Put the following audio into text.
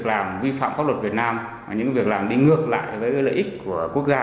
tham gia vào những hoạt động tương tự